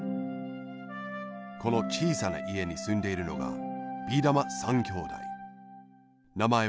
このちいさないえにすんでいるのがビーだま３兄弟。